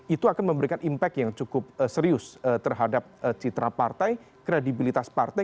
itu akan memberikan impact yang cukup serius terhadap citra partai kredibilitas partai